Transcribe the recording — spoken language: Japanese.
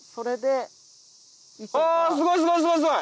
すごいすごい！